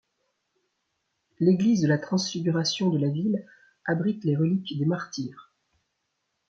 L'église de la Transfiguration de la ville abrite les reliques des martyres.